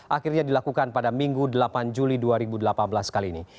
akhirnya dilakukan pada minggu delapan juli dua ribu delapan belas kali ini